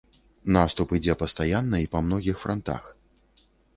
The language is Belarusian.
Наступ ідзе пастаянна і па многіх франтах.